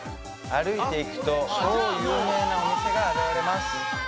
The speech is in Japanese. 歩いていくと超有名なお店が現れます・ああ